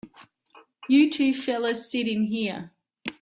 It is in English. You two fellas sit in here.